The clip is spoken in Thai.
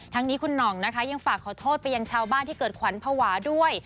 ทั้งนี้คุณหน่องนะคะยังฝากขอโทษไปยังชาวบ้านที่เกิดขวัญภาวะด้วย